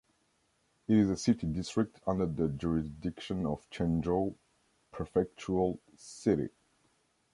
It is a city-district under the jurisdiction of Chenzhou prefectural city.